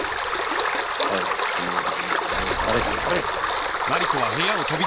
早くその男のところへ誰かやれ！